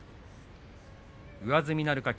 上積みになるか霧